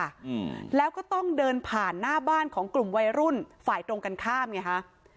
อืมแล้วก็ต้องเดินผ่านหน้าบ้านของกลุ่มวัยรุ่นฝ่ายตรงกันข้ามไงฮะ